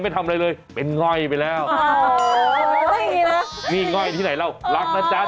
พี่ชายกับพี่สาวผมที่พาทฟราก